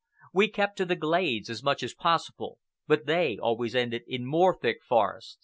We kept to the glades as much as possible, but they always ended in more thick forest.